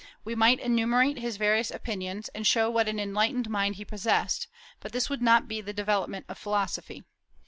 We might enumerate his various opinions, and show what an enlightened mind he possessed; but this would not be the development of philosophy.